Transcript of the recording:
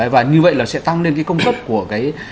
và như vậy là sẽ tăng lên công cấp của